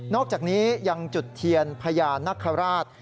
อกจากนี้ยังจุดเทียนพญานคราช